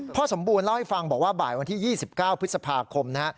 สมบูรณ์เล่าให้ฟังบอกว่าบ่ายวันที่๒๙พฤษภาคมนะฮะ